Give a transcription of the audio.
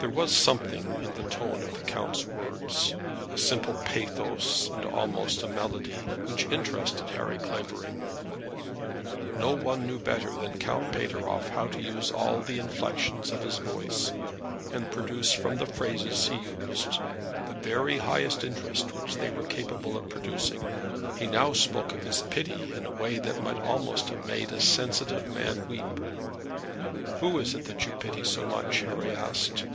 There was something in the tone of the count's words, a simple pathos, and almost a melody, which interested Harry Clavering. No one knew better than Count Pateroff how to use all the inflexions of his voice, and produce from the phrases he used the very highest interest which they were capable of producing. He now spoke of his pity in a way that might almost have made a sensitive man weep. "Who is it that you pity so much?" Harry asked.